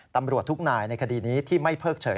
ตำรวจทุกนายในคดีนี้ที่ไม่เพิกเฉย